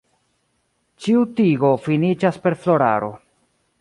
Ĉiu tigo finiĝas per floraro.